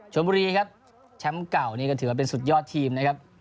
บุรีครับแชมป์เก่านี่ก็ถือว่าเป็นสุดยอดทีมนะครับ